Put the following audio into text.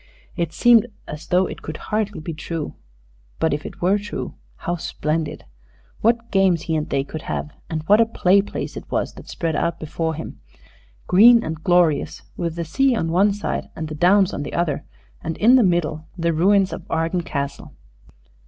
It seemed as though it could hardly be true; but, if it were true, how splendid! What games he and they could have! And what a play place it was that spread out before him green and glorious, with the sea on one side and the downs on the other, and in the middle the ruins of Arden Castle.